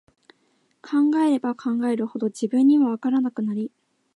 考えれば考えるほど、自分には、わからなくなり、